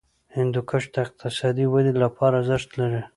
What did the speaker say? هندوکش د اقتصادي ودې لپاره ارزښت لري.